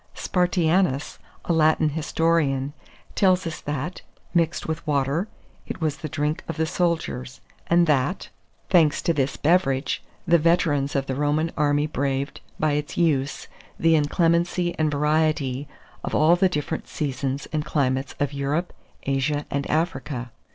Spartianus, a Latin historian, tells us that, mixed with water, it was the drink of the soldiers, and that, thanks to this beverage, the veterans of the Roman army braved, by its use, the inclemency and variety of all the different seasons and climates of Europe, Asia, and Africa.